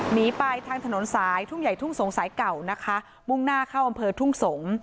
หนีไปทางถนนสายทุ่งใหญ่ทุ่งสงสายเก่านะคะมุ่งหน้าเข้าอำเภอทุ่งสงศ์